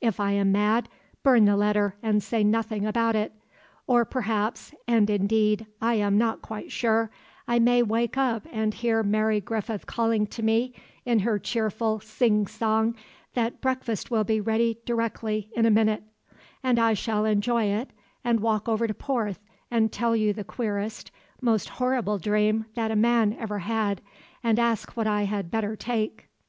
If I am mad, burn the letter and say nothing about it. Or perhaps—and indeed, I am not quite sure—I may wake up and hear Mary Griffith calling to me in her cheerful sing song that breakfast will be ready 'directly, in a minute,' and I shall enjoy it and walk over to Porth and tell you the queerest, most horrible dream that a man ever had, and ask what I had better take.